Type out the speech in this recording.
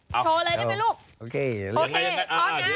โชว์เลยได้ไหมลูก